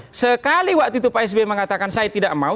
tetapi sekali waktu itu pak s b mengatakan saya tidak mau